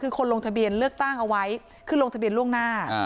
คือคนลงทะเบียนเลือกตั้งเอาไว้คือลงทะเบียนล่วงหน้า